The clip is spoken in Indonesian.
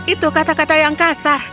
itu kata kata yang kasar